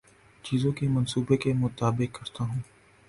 چیزوں کے منصوبے کے مطابق کرتا ہوں